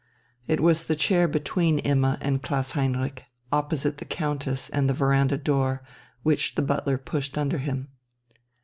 It was the chair between Imma and Klaus Heinrich, opposite the Countess and the veranda door, which the butler pushed under him.